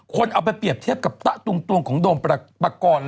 คนเอาไปเปรียบเทียบกับตะตุงของโดมประกอบ